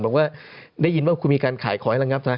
บอกว่าได้ยินว่าคุณมีการขายขอให้ระงับนะ